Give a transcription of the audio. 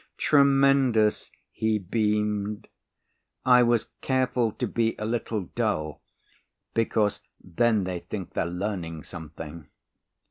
"Tremendous," he beamed. "I was careful to be a little dull because then they think they're learning something."